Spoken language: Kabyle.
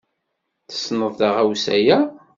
Tessneḍ taɣawsa-ya?